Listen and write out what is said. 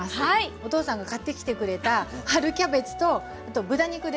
お父さんが買ってきてくれた春キャベツとあと豚肉ですね。